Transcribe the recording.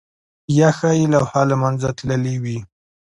یا ښايي لوحه له منځه تللې وي؟